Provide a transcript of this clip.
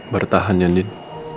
bertahan ya ndin